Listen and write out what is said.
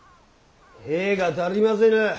兵が足りませぬ。